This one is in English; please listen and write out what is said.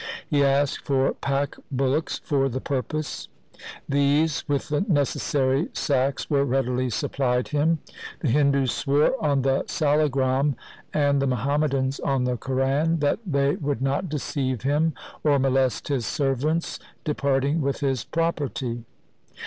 He asked for pack bullocks for the purpose. These with the necessary sacks were readily supplied him. The Hindus swore on the salagram and the Muhammadans on the Quran, that they would not deceive him or molest his servants de parting with his property.